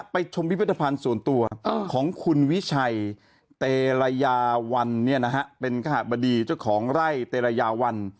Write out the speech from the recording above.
ไปชมพิพิธภัณฑ์ส่วนตัวของคุณวิชัยเตรยาวันเป็นขบดีเจ้าของไร่เตรยาวัน